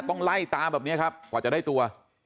ต้องไล่ตามแบบนี้ครับกว่าจะได้ตัว